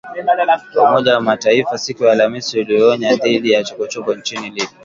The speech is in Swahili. Umoja wa Mataifa siku ya Alhamisi ulionya dhidi ya chokochoko nchini Libya